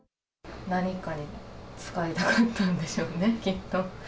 何かに使いたかったんでしょうね、きっと。